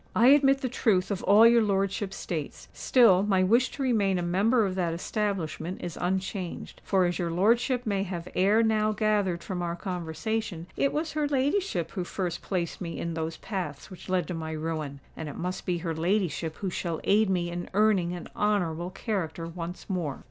"I admit the truth of all your lordship states: still my wish to remain a member of that establishment is unchanged. For—as your lordship may have ere now gathered from our conversation—it was her ladyship who first placed me in those paths which led to my ruin; and it must be her ladyship who shall aid me in earning an honourable character once more."